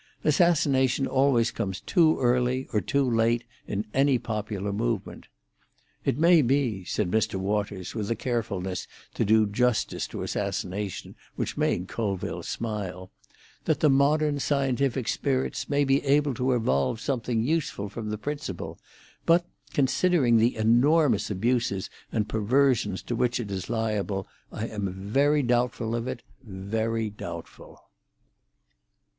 Assassination always comes too early or too late in any popular movement. It may be," said Mr. Waters, with a carefulness to do justice to assassination which made Colville smile, "that the modern scientific spirits may be able to evolve something useful from the principle, but considering the enormous abuses and perversions to which it is liable, I am very doubtful of it—very doubtful."